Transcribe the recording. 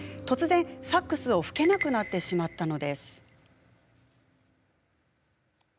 突然、サックスを吹けなくなってしまったのです。